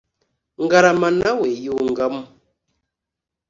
Ngarama na we yungamo.